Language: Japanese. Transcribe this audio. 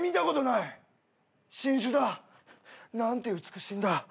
なんて美しいんだ。